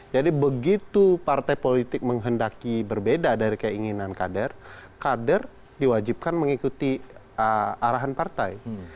jadi begitu partai politik menghendaki berbeda dari keinginan kader kader diwajibkan mengikuti arahan partai